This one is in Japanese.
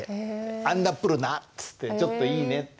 アンナプルナっつってちょっといいねっていう。